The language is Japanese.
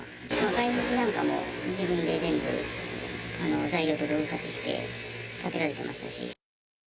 外壁なんかも自分で全部、材料と道具買ってきて、建てられてましたし。